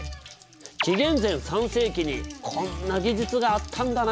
紀元前３世紀にこんな技術があったんだな。